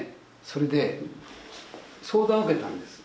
それで相談受けたんです。